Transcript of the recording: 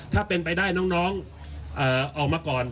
ถ้าเป็นไปได้น้องออกมาก่อน